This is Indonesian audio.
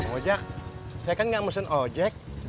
ojek saya kan gak musuhin ojek